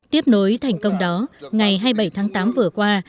tiếp nối thành công đó ngày hai mươi bảy tháng tám vừa qua